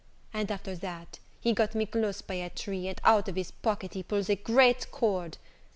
And, after that, he got me close by a tree, and out of his pocket he pulls a great cord!